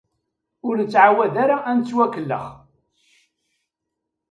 Ur nettɛawad ara ad nettwakellex.